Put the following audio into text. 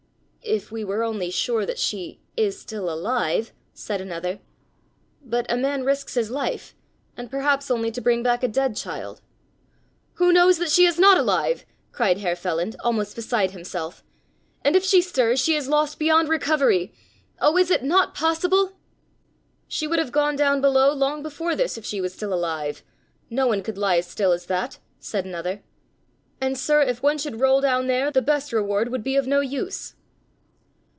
"If we were only sure that she is still alive," said another. "But a man risks his life and perhaps only to bring back a dead child." "Who knows that she is not alive?" cried Herr Feland, almost beside himself, "and if she stirs she is lost beyond recovery! Oh, is it not possible?" "She would have gone down below long before this if she was still alive. No one could lie as still as that," said another. "And, sir, if one should roll down there, the best reward would be of no use."